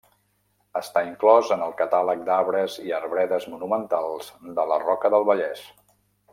Està inclòs en el Catàleg d'Arbres i Arbredes Monumentals de la Roca del Vallès.